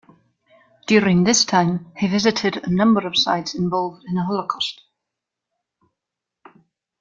During this time, he visited a number of sites involved in the Holocaust.